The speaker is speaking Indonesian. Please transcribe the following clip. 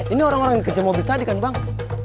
ini orang orang yang kejam mobil tadi kan bang